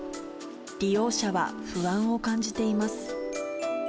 利用者は不安を感じています。